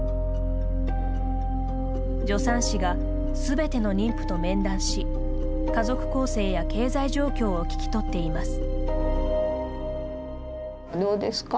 助産師が、すべての妊婦と面談し家族構成や経済状況を聞き取っています。